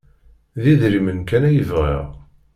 D idrimen kan ay bɣiɣ.